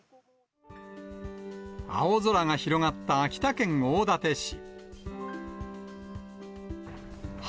青空が広がった秋田県大館市。